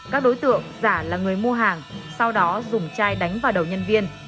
các đối tượng giả là người mua hàng sau đó dùng chai đánh vào đầu nhân viên